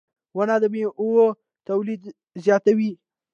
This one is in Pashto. • ونه د میوو تولید زیاتوي.